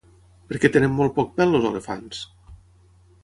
Per què tenen molt poc pèl els elefants?